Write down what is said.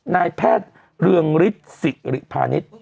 นายแพทย์เรืองฤทธิ์สิริพาณิชย์